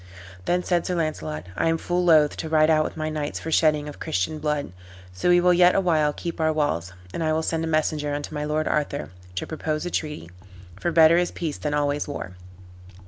Then said Sir Launcelot, "I am full loath to ride out with my knights for shedding of Christian blood; so we will yet a while keep our walls, and I will send a messenger unto my lord Arthur, to propose a treaty; for better is peace than always war."